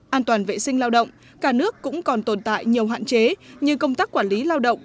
an toàn vệ sinh lao động cả nước cũng còn tồn tại nhiều hạn chế như công tác quản lý lao động